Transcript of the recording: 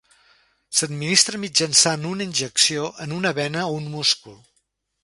S'administra mitjançant una injecció en una vena o un múscul.